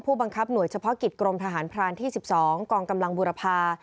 บังคับหน่วยเฉพาะกิจกรมทหารพรานที่๑๒กองกำลังบุรพา